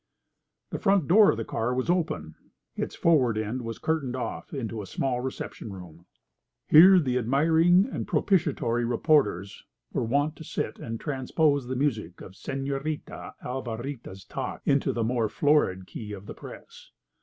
The front door of the car was open. Its forward end was curtained off into a small reception room. Here the admiring and propitiatory reporters were wont to sit and transpose the music of Señorita Alvarita's talk into the more florid key of the press.